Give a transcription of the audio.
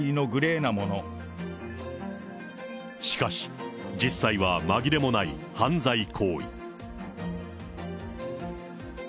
しかし、実際はまぎれもない犯罪行為。